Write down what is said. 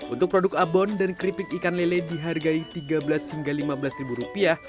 untuk produk abon dan keripik ikan lele dihargai tiga belas hingga lima belas ribu rupiah